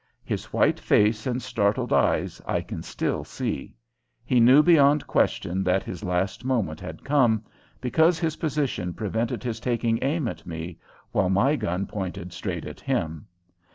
His white face and startled eyes I can still see. He knew beyond question that his last moment had come, because his position prevented his taking aim at me, while my gun pointed straight at him.